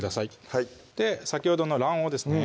はい先ほどの卵黄ですね